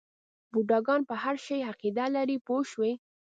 بوډاګان په هر شي عقیده لري پوه شوې!.